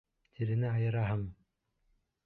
Тирене айыраһың!